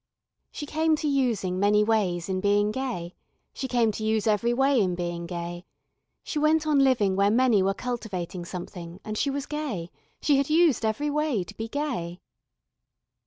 She came to using many ways in being gay, she came to use every way in being gay. She went on living where many were cultivating something and she was gay, she had used every way to be gay.